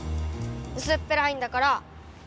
うすっぺらいんだから！